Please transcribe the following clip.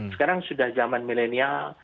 sekarang sudah zaman milenial